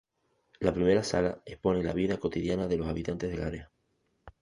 La primera sala expone la vida cotidiana de los habitantes del área.